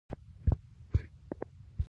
د سختو او نرمو طالبانو مختلف صفونه.